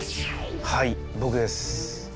はい僕です。